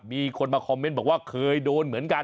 มีคนมาคอมเมนต์บอกว่าเคยโดนเหมือนกัน